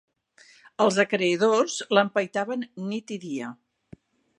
Els a creedors l'empaitaven nit i dia